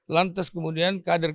lantas kemudian kader kadernya